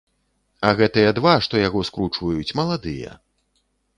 А гэтыя два, што яго скручваюць, маладыя.